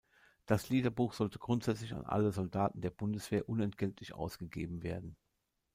Das Liederbuch sollte grundsätzlich an alle Soldaten der Bundeswehr unentgeltlich ausgegeben werden.